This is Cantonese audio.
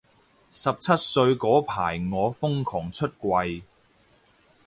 十七歲嗰排我瘋狂出櫃